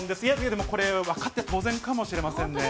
でもこれ分かって当然かもしれませんね。